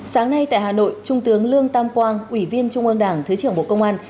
sáng nay tại hà nội trung tướng lương tam quang ủy viên trung ương đảng thứ trưởng bộ công an